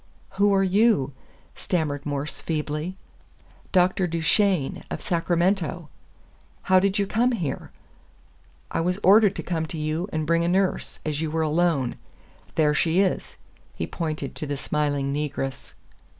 "Who are you?" stammered Morse feebly. "Dr. Duchesne, of Sacramento." "How did you come here?" "I was ordered to come to you and bring a nurse, as you were alone. There she is." He pointed to the smiling Negress.